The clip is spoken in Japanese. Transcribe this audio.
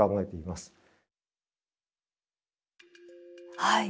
はい。